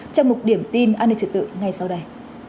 trong một điểm tin an ninh trật tự ngay sau đây